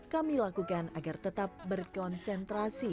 kami lakukan agar tetap berkonsentrasi